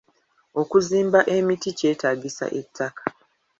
Okusimba emiti kyetaagisa ettaka.